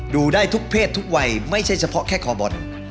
ดูได้ทุกเพศทุกวัยไม่ใช่เฉพาะแค่คอบอล